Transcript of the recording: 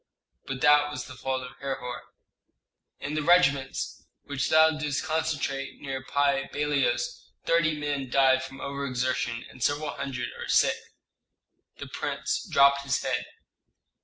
"But that was the fault of Herhor." "In the regiments which thou didst concentrate near Pi Bailos thirty men died from over exertion, and several hundred are sick." The prince dropped his head.